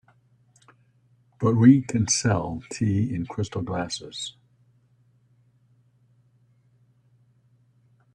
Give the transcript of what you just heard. But we could sell tea in crystal glasses.